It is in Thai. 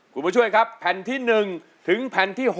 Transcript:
คุณผู้ช่วยครับแผ่นที่๑ถึงแผ่นที่๖